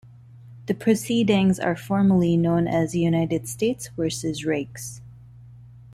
The proceedings are formally known as "United States versus Riggs".